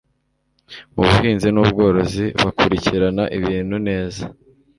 mu buhinzi n'ubworozi bakurikirana ibintu neza